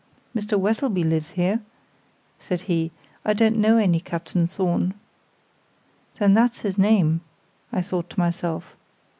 "'Mr. Westleby lives here,' said he; 'I don't know any Captain Thorn.' "Then that's his name, thought I to myself.